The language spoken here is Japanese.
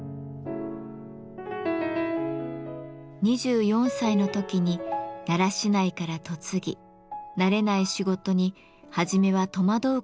２４歳の時に奈良市内から嫁ぎ慣れない仕事にはじめは戸惑うことばかりだったといいます。